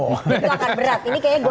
itu akan berat ini kayaknya